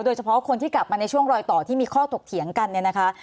โดยเฉพาะคนที่กลับมาในช่วงรอยต่อที่มีข้อถกเถียงกันเนี่ยนะคะ